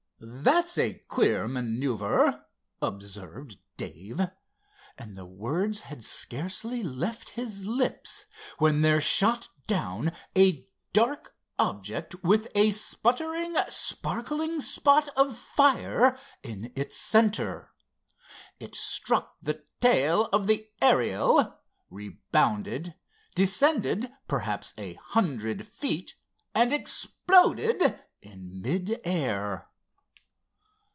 "That's a queer maneuver," observed Dave, and the words had scarcely left his lips when there shot down a dark object with a sputtering sparkling spot of fire in its center. It struck the tail of the Ariel, rebounded, descended perhaps a hundred feet and exploded in mid air.